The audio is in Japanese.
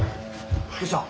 どうした？